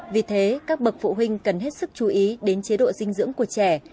vì thế các bậc phụ huynh cần hết sức chú ý đến chế độ dinh dưỡng của trẻ